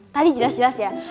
tadi jelas jelas ya